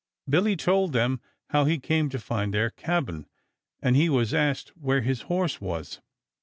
Billy told them how he came to find their cabin, and he was asked where his horse was.